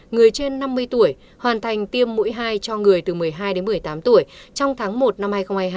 người trên năm mươi tuổi hoàn thành tiêm mũi hai cho người từ một mươi hai đến một mươi tám tuổi trong tháng một năm hai nghìn hai mươi hai